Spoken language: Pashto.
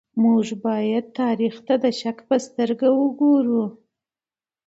موږ بايد تاريخ ته د شک په سترګه وګورو.